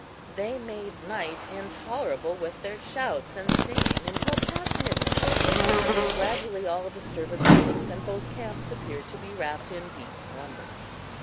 They made night intolerable with their shouts and singing until past midnight, when gradually all disturbance ceased, and both camps appeared to be wrapped in deep slumber.